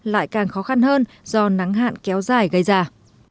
lại càng khó khăn hơn do nắng hạn kéo dài gây ra